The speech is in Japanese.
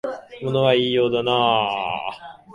物は言いようだなあ